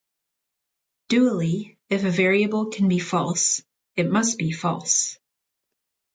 Dually, if a variable can be false, it must be false.